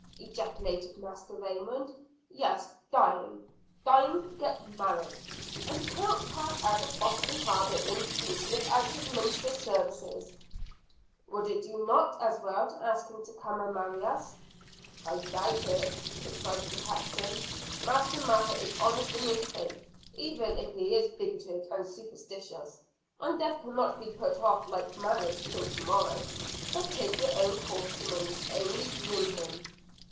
ejaculated Master Raymond. "Yes, dying! dying to get married and you cannot pass out of Boston harbor in peace, without his ministerial services." "Would it not do as well to ask him to come and marry us?" "I doubt it," replied the Captain. "Master Mather is honest in his faith, even if he is bigoted and superstitious and death cannot be put off like marriage till tomorrow. But take your own course, Simmons only bring him."